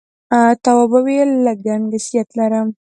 تواب وويل: لږ گنگسیت لرم.